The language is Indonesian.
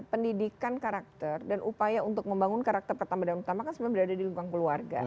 pendidikan karakter dan upaya untuk membangun karakter pertama dan utama kan sebenarnya berada di lingkungan keluarga